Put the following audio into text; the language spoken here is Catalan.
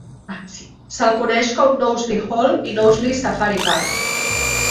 Se'l coneix com Knowsley Hall i Knowsley Safari Park.